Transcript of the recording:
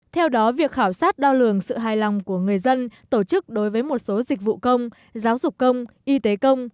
theo đó việc khảo sát đo lường sự hài lòng của người dân tổ chức đối với một số dịch vụ công giáo dục công y tế công